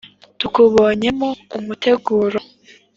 tukubonyemo umuteguro.